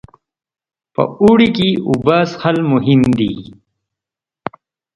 په اوړي کې اوبه څښل مهم دي.